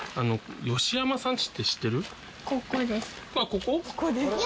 ここ？